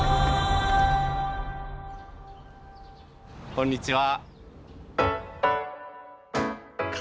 こんにちは。